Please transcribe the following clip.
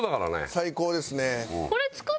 最高ですね。